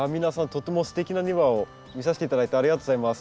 とってもすてきな庭を見させて頂いてありがとうございます。